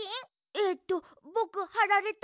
えっとぼくはられた？